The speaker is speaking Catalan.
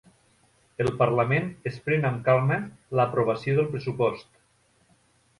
El parlament es pren amb calma l'aprovació del pressupost